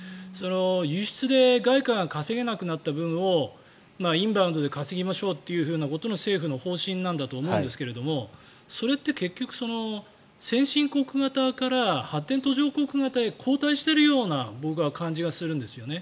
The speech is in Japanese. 輸出で外貨を稼げなくなった分をインバウンドで稼ぎましょうという政府の方針なんだと思いますがそれって結局先進国型から発展途上国型に後退しているような僕は感じがするんですよね。